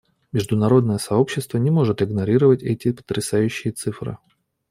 Международное сообщество не может игнорировать эти потрясающие цифры.